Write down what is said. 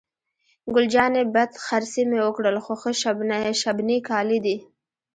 ګل جانې: بد خرڅي مې وکړل، خو ښه شبني کالي دي.